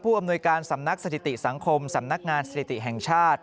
อำนวยการสำนักสถิติสังคมสำนักงานสถิติแห่งชาติ